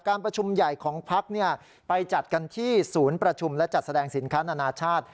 ประชุมใหญ่ของพักไปจัดกันที่ศูนย์ประชุมและจัดแสดงสินค้านานาชาติ